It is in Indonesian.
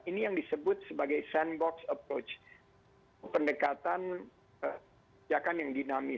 ini yang disebut sebagai sandbox approach pendekatan yang dinamis